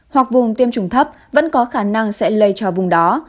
hoặc vùng tiêm chủng thấp vẫn có khả năng sẽ lây cho vùng đó